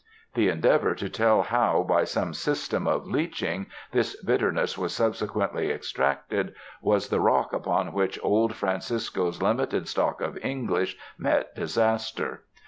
The endeavor to tell how by some system of leaching, this bitterness was subsequently extracted, was the rock upon which old Francisco's limited stock of English met disaster.